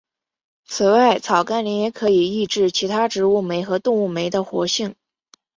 此外草甘膦也可以抑制其他植物酶和动物酶的活性。